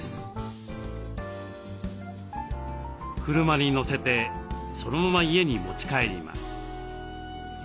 車に載せてそのまま家に持ち帰ります。